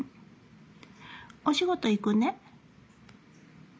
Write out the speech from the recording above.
お仕事行くね。